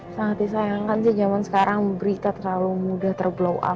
sangat disayangkan sih zaman sekarang berita terlalu mudah terblow up